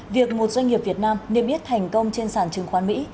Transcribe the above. việc một doanh nghiệp việt nam niêm yết thành công trên sản trừng khoán mỹ